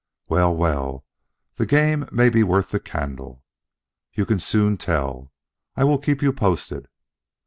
"Well, well, the game may be worth the candle. You can soon tell. I will keep you posted."